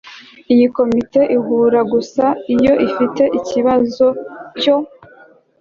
Iyi Komite ihura gusa iyo ifite ikibazo cyo